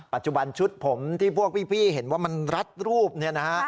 ปัจจุบันชุดผมที่พวกพี่เห็นว่ามันรัดรูปเนี่ยนะฮะ